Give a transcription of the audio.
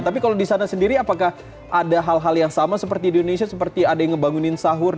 tapi kalau di sana sendiri apakah ada hal hal yang sama seperti di indonesia seperti ada yang ngebangunin sahur